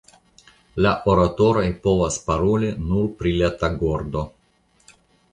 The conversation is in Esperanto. La oratoroj povas paroli nur pri la tagordo.